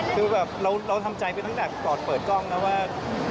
คือแบบเราทำใจไปตั้งแต่ก่อนเปิดกล้องนะว่า